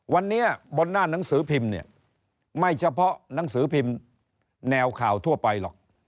วันนี้บนหน้าหนังสือพิมพ์เนี่ยไม่เฉพาะหนังสือพิมพ์แนวข่าวทั่วไปหรอก